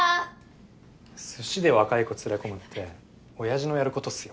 すしで若い子連れ込むっておやじのやることっすよ